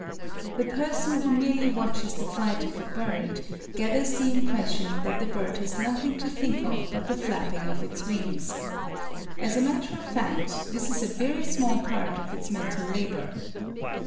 The person who merely watches the flight of a bird gathers the impression that the bird has nothing to think of but the flapping of its wings. As a matter of fact, this is a very small part of its mental labour.